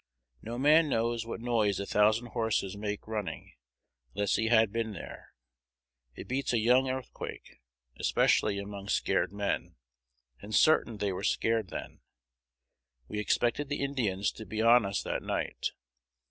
No man knows what noise a thousand horses make running, unless he had been there: it beats a young earthquake, especially among scared men, and certain they were scared then. We expected the Indians to be on us that night.